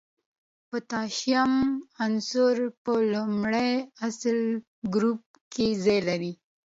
د پوتاشیم عنصر په لومړي اصلي ګروپ کې ځای لري.